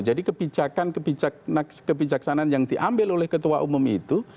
jadi kebijaksanaan yang diambil oleh ketua umum itu